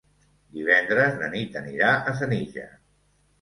Divendres na Nit anirà a Senija.